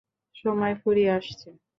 সময় ফুরিয়ে আসছে!